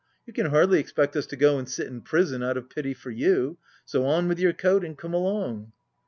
You can hardly expect us to go and sit in prison out of pity for you. So on with your coat and come along."